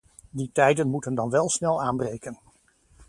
Die tijden moeten dan wel snel aanbreken.